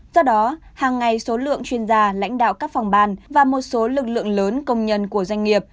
do đó hàng ngày số lượng chuyên gia lãnh đạo các phòng ban và một số lực lượng lớn công nhân của doanh nghiệp